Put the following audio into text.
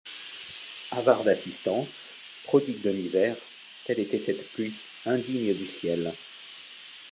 Avare d’assistance, prodigue de misère, telle était cette pluie, indigne du ciel.